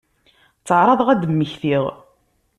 Tteɛraḍeɣ ad d-mmektiɣ.